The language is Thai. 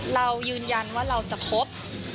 เรายืนยันว่าเราจะคบ